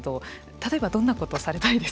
例えばどんなことをされたいですか。